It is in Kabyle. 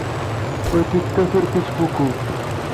Ur k-ikkat ur k-ittfukku.